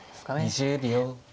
２０秒。